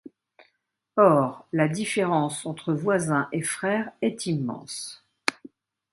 Or, la différence entre voisin et frère est immense.